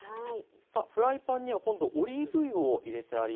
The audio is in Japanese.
さあフライパンには今度オリーブ油を入れてあります。